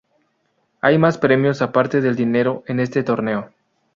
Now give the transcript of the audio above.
Hay más premios aparte del dinero en este torneo.